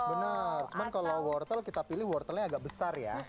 benar cuman kalau wortel kita pilih wortelnya agak besar ya